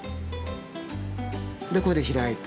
でこれで開いた。